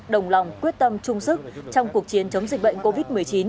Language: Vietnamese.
đồng lòng quyết tâm chung sức trong cuộc chiến chống dịch bệnh covid một mươi chín